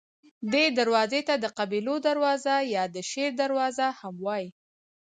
دې دروازې ته د قبیلو دروازه یا د شیر دروازه هم وایي.